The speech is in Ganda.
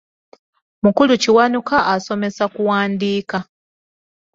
Mukulu Kiwanuka asomesa kuwandiika.